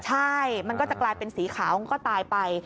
ใช่มันก็จะกลายเป็นสีขาวมันก็ตายไป